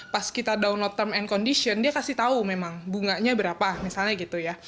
pas kita download term and condition dia kasih tahu memang bunganya berapa misalnya gitu ya